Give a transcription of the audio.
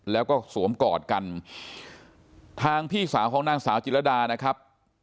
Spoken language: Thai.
แล้วก็สวมกอดกันทางพี่สาวของนางสาวจิรดานะครับ